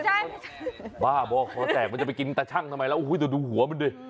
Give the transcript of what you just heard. ใช่บ้าบ่อคอแตกมันจะไปกินตาชั่งทำไมแล้วโอ้โหแต่ดูหัวมันดิ